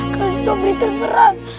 kasih sopri terserang